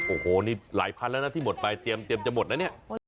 โอ้โหนี่หลายพันแล้วนะที่หมดไปเตรียมจะหมดนะเนี่ย